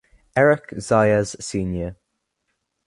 Eric Zayas Sr.